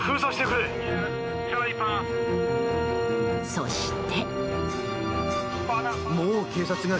そして。